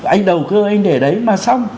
anh đầu cơ anh để đấy mà xong